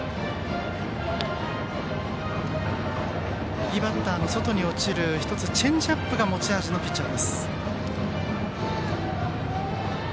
右バッターの外に落ちるチェンジアップが持ち味のピッチャー。